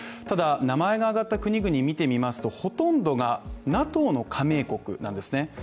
ただ名前が挙がった国々を見てみますとほとんどがＮＡＴＯの加盟国なんですね。